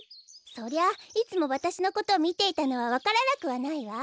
そりゃいつもわたしのことをみていたのはわからなくはないわ。